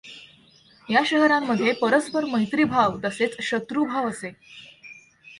या शहरांमध्ये परस्पर मैत्रीभाव तसेच शत्रूभाव असे.